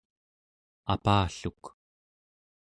apalluk